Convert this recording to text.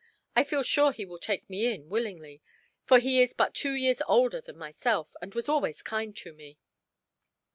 I feel sure he will take me in, willingly; for he is but two years older than myself, and was always kind to me."